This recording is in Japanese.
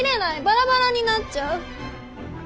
バラバラになっちゃう！